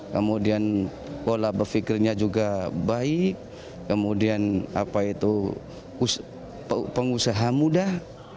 kemudian pola berfikirnya juga baik kemudian pengusaha mudah